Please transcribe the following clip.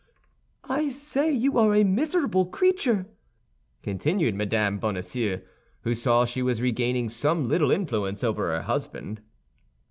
"I say you are a miserable creature!" continued Mme. Bonacieux, who saw she was regaining some little influence over her husband.